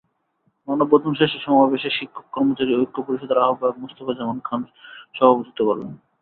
মানববন্ধন শেষে সমাবেশে শিক্ষক-কর্মচারী ঐক্য পরিষদের আহ্বায়ক মোস্তফা জামান খান সভাপতিত্ব করেন।